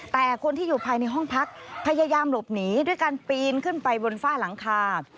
แต่คนที่อยู่ภายในห้องพักพยายามหลบหนีด้วยการปีนขึ้นไปบนฝ้าหลังคา